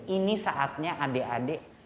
ini saatnya adik adik